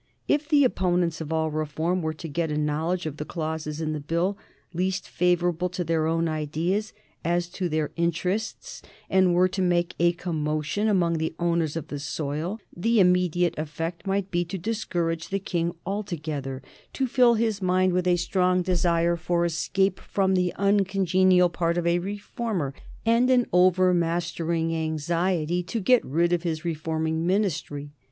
If the opponents of all reform were to get a knowledge of the clauses in the Bill least favorable to their own ideas as to their interests, and were to make a commotion among the owners of the soil, the immediate effect might be to discourage the King altogether, to fill his mind with a strong desire for escape from the uncongenial part of a reformer and an overmastering anxiety to get rid of his reforming Ministry.